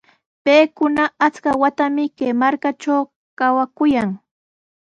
Paykuna achka watanami kay markatraw kawakuyan.